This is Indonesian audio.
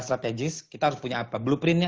strategis kita harus punya apa blueprintnya